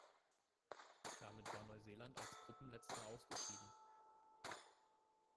Damit war Neuseeland als Gruppenletzter ausgeschieden.